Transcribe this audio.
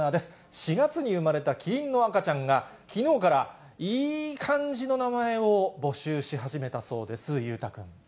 ４月に産まれたキリンの赤ちゃんが、きのうからいいかんじの名前を募集し始めたそうです。